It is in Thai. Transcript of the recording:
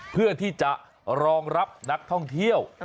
เพื่อที่จะรองรับนักท่องเที่ยว